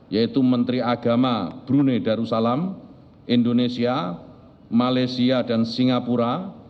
yaitu menteri agama brunei darussalam indonesia malaysia dan singapura